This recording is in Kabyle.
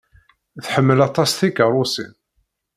Tḥemmel aṭas tikeṛṛusin.